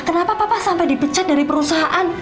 kenapa papa sampai dipecat dari perusahaan